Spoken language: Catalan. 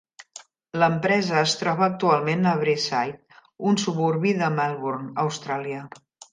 L'empresa es troba actualment a Braeside, un suburbi de Melbourne, Austràlia.